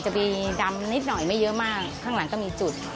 จะมีดำนิดหน่อยไม่เยอะมากข้างหลังก็มีจุด